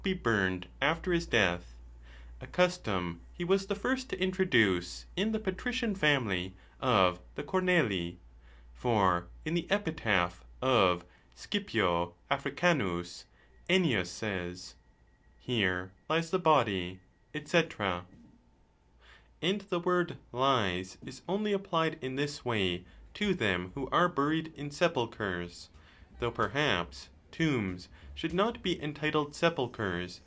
be burned after his death,—a custom he was the first to introduce in the patrician family of the Cornelii, For in the epitaph of Scipio Africanus, Ennius says; ~ i hy atin seth of co bse Here lies the body, &ec. And the word Jes is only applied in this way to them who are buried in sepulchres; though perhaps tombs should not be entitled sepulchres.